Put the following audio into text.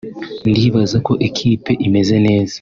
ndibaza ko ikipe imeze neza